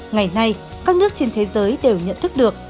ngày nay các nước trên thế giới đều nhận thức được